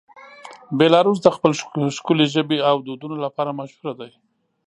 بیلاروس د خپل ښکلې ژبې او دودونو لپاره مشهوره دی.